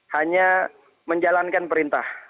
hanya menjalankan perintah